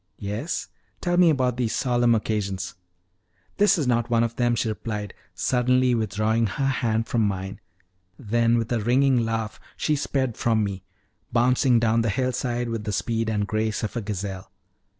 "Yes? Tell me about these solemn occasions." "This is not one of them," she replied, suddenly withdrawing her hand from mine; then with a ringing laugh, she sped from me, bounding down the hill side with the speed and grace of a gazelle.